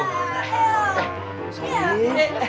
eh om sani